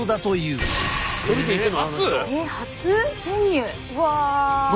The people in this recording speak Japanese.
うわ。